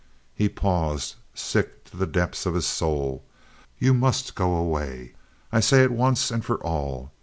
He paused, sick to the depths of his soul. "Ye must go away. I say it once and for all.